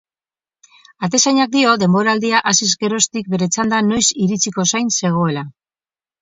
Atezainak dio denboraldia hasiz geroztik bere txanda noiz iritsiko zain zegoela.